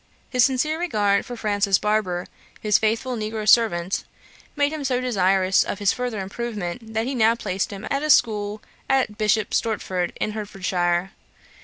His sincere regard for Francis Barber, his faithful negro servant, made him so desirous of his further improvement, that he now placed him at a school at Bishop Stortford, in Hertfordshire.